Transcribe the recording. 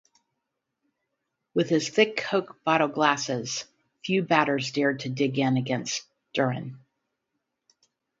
With his thick Coke bottle glasses, few batters dared to dig in against Duren.